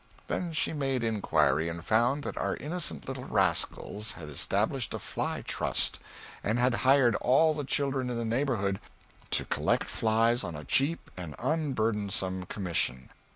Then she made inquiry, and found that our innocent little rascals had established a Fly Trust, and had hired all the children in the neighborhood to collect flies on a cheap and unburdensome commission.